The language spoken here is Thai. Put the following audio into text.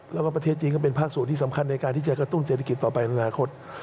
แล้วก็ประเทศจีนก็เป็นภาคส่วนที่สำคัญในการที่จะกระตุ้นเศรษฐกิจต่อไปในอนาคต